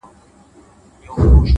اوس يې صرف غزل لولم’ زما لونگ مړ دی’